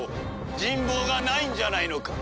人望がないんじゃないのか？